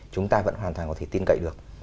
chúng ta vẫn hoàn toàn có thể tin cậy được